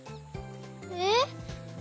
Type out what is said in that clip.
えっ？